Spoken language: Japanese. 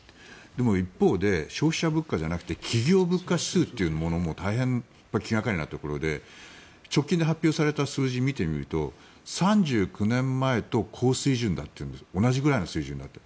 でも一方で消費者物価じゃなくて企業物価指数というものも大変気掛かりなところで直近で発表された数字を見ると３９年前と同じくらいの水準だって。